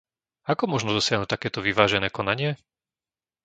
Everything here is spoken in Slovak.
Ako možno dosiahnuť takéto vyvážené konanie?